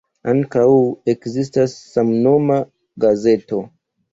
Ankaŭ ekzistas samnoma gazeto.